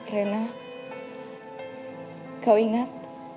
rena kau ingat